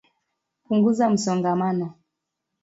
Punguza msongamano